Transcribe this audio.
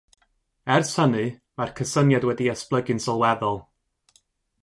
Ers hynny, mae'r cysyniad wedi esblygu'n sylweddol.